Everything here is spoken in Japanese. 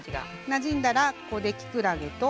なじんだらここできくらげと。